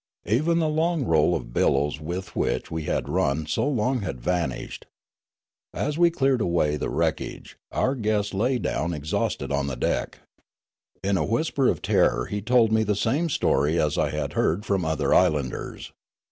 Even the long roll of billows with which we had run so long had vanished. As we cleared away the wreck age, our guest lay down exhausted on the deck. In a whisper of terror he told me the same story as I had heard from other islanders.